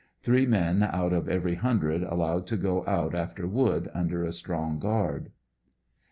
Three men out of every hundred allowed to go out after wood under a strong guard.